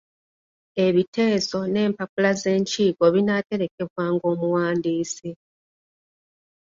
Ebiteeso n'Empapula z'Enkiiko binaaterekebwanga omuwandiisi.